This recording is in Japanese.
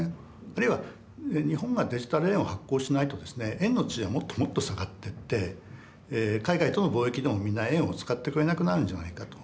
あるいは日本がデジタル円を発行しないとですね円の地位はもっともっと下がってって海外との貿易でもみんな円を使ってくれなくなるんじゃないかと。